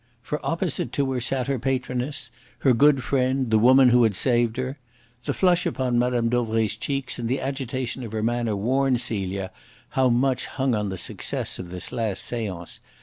For opposite to her sat her patroness, her good friend, the woman who had saved her. The flush upon Mme. Dauvray's cheeks and the agitation of her manner warned Celia how much hung upon the success of this last seance.